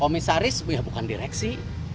komisaris bukan direksi